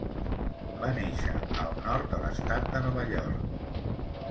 Va néixer al nord de l'estat de Nova York.